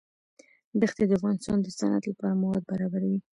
دښتې د افغانستان د صنعت لپاره مواد برابروي.